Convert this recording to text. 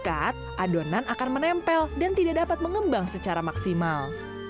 ketika adonan akan menempel dan tidak dapat mengembang secara maksimal